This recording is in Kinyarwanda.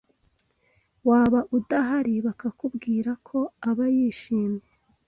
waba udahari bakakubwira ko aba yishimye